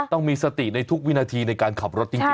ต้องมีสติในทุกวินาทีในการขับรถจริง